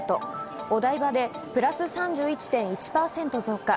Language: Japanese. お台場でプラス３１．１％増加。